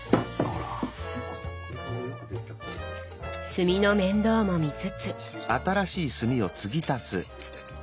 炭の面倒も見つつ。